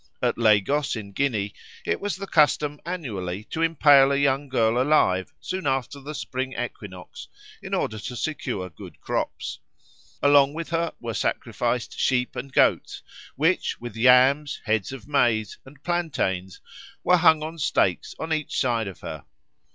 At Lagos in Guinea it was the custom annually to impale a young girl alive soon after the spring equinox in order to secure good crops. Along with her were sacrificed sheep and goats, which, with yams, heads of maize, and plantains, were hung on stakes on each side of her.